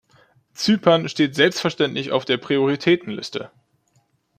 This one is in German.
Zypern steht selbstverständlich auf der Prioritätenliste.